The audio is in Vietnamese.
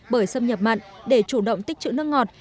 bởi xâm nhập mặn để chủ động tích chữ nước ngọt